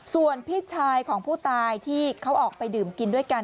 ส่วนพี่ชายของผู้ตายที่เขาออกไปดื่มกินด้วยกัน